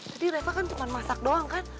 tadi reva kan cuman masak doang kan